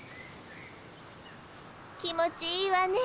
気持ちいいわねえ。